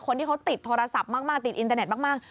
คนที่เขาติดโทรศัพท์มากติดอินเตอร์เน็ตมาก